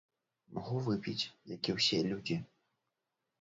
Магу выпіць, як і ўсе людзі.